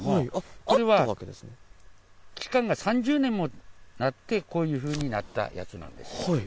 それは期間が３０年もなって、こういうふうになったやつなんです。